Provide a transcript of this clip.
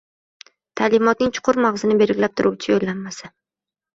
ta’limotining chuqur mag‘zini belgilab turuvchi yo‘llanmasi